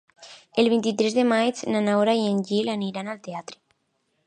El vint-i-tres de maig na Laura i en Gil aniran al teatre.